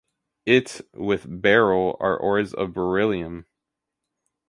It, with beryl, are ores of beryllium.